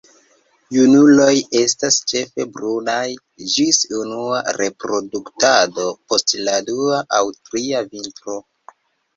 Junuloj estas ĉefe brunaj ĝis unua reproduktado post la dua aŭ tria vintro.